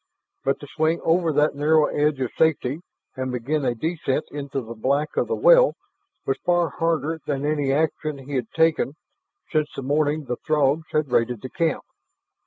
But to swing over that narrow edge of safety and begin a descent into the black of the well was far harder than any action he had taken since the morning the Throgs had raided the camp.